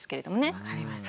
分かりました。